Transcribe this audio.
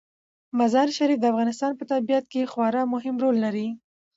مزارشریف د افغانستان په طبیعت کې یو خورا مهم رول لري.